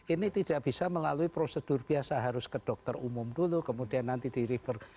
ini tidak bisa melalui prosedur biasa harus ke dokter umum dulu kemudian nanti di refer